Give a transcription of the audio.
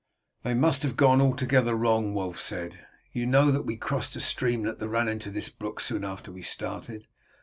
"They must have gone altogether wrong," Wulf said. "You know that we crossed a streamlet that ran into this brook soon after we started.